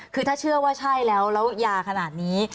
คือถ้าเชื่อว่าใช่แล้วแล้วยาขนาดนี้